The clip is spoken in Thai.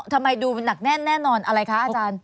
ทำไมดูหนักแน่นแน่นอนอะไรคะอาจารย์